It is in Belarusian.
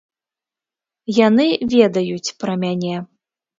Яны ведаюць пра мяне.